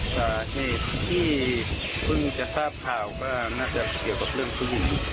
สาเหตุที่ก็พึ่งจะทราบเขาก็น่าจะเกี่ยวกับเรื่องเธอยิง